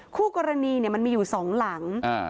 คู่กรณีเนี้ยมันมีอยู่สองหลังอ่า